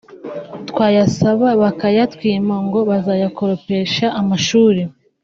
twayasaba bakayatwima ngo bazayakoropesha amashuri